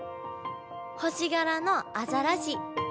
星がらのアザラシ。